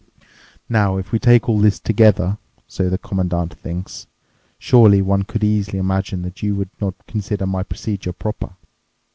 Now, if we take all this together (so the Commandant thinks) surely one could easily imagine that that you would not consider my procedure proper?